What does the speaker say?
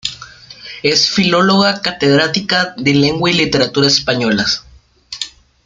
Es filóloga, catedrática de Lengua y Literatura españolas.